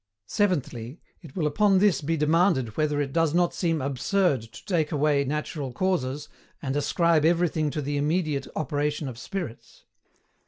Seventhly, it will upon this be demanded whether it does not seem ABSURD TO TAKE AWAY NATURAL CAUSES, AND ASCRIBE EVERYTHING TO THE IMMEDIATE OPERATION OF SPIRITS?